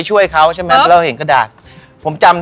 นี่มาจากคุณอดัมรุนาคสอนมา